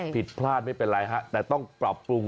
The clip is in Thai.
ผิดพลาดไม่เป็นไรฮะแต่ต้องปรับปรุง